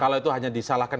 kalau itu hanya disalahkan